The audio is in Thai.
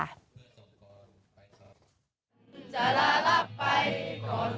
ให้เธอรู้ในใจตลอดก่อน